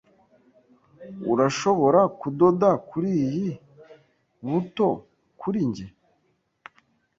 Urashobora kudoda kuriyi buto kuri njye?